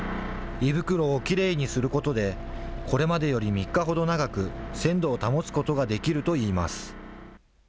胃袋をきれいにすることで、これまでより３日ほど長く、鮮度を保つことができるといいます。